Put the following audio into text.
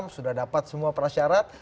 sudah dapat semua perasyarat